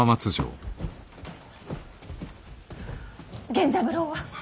源三郎は。